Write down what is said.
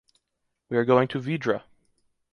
We are going to Vidrà.